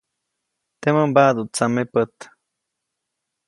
Temäʼ mbaʼduʼt tsamepät.